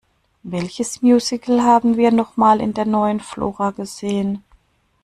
Welches Musical haben wir noch mal in der Neuen Flora gesehen?